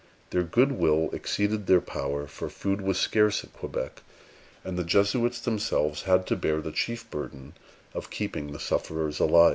Their good will exceeded their power; for food was scarce at Quebec, and the Jesuits themselves had to bear the chief burden of keeping the sufferers alive.